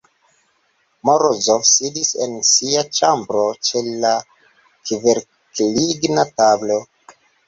Morozov sidis en sia ĉambro ĉe la kverkligna tablo.